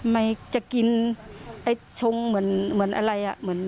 มันจะกินไอ้จงเหมือนอะไร